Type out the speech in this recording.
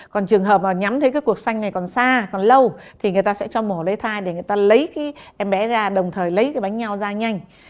còn trường hợp mà nhắm thấy cái cuộc xanh này còn xa còn lâu thì người ta sẽ cho mổ lấy thai để người ta lấy cái em bé ra đồng thời lấy cái bánh nhau ra nhanh